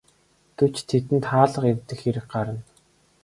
Гэвч тэдэнд хаалга эвдэх хэрэг гарна.